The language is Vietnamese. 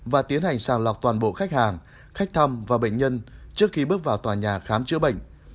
và tiến hành sàng lọc toàn bộ khách hàng khách thăm và bệnh nhân trước khi bước vào tòa nhà khám chữa bệnh